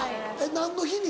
何の日に？